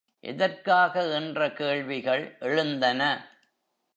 எதற்காக என்ற கேள்விகள் எழுந்தன.